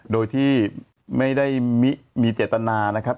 โดยที่ไม่ได้มีเจตนานะครับ